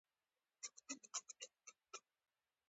ایا زه باید نقاشي وکړم؟